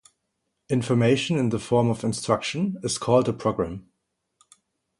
Information in the form of instruction is called a program.